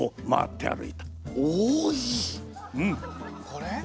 これ？